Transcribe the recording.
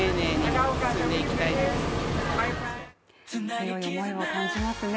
強い思いを感じますね。